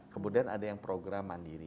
kemudian ada yang program mandiri